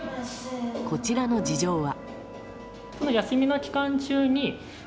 こちらの事情は。